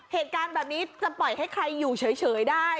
เหตุการณ์แบบนี้จะปล่อยให้ใครอยู่เฉยได้